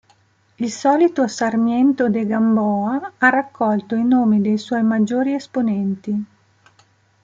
Il solito Sarmiento de Gamboa ha raccolto i nomi dei suoi maggiori esponenti.